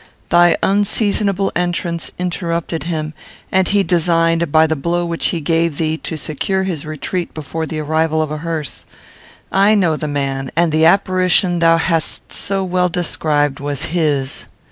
Thy unseasonable entrance interrupted him; and he designed, by the blow which he gave thee, to secure his retreat before the arrival of a hearse. I know the man, and the apparition thou hast so well described was his.